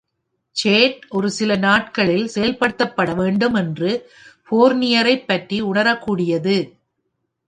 Chat ஒரு சில நாட்களில் செயல்படுத்தப்பட வேண்டும் என்று ஃபோர்னியரைப் பற்றி உணரக்கூடியது.